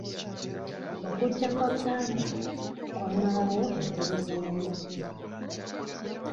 Okujja kwa pampa kwamalawo enkozesa ya nappi.